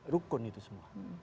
rukun itu semua